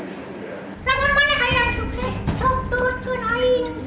lalu mana aki yang sukses sop turutkan aki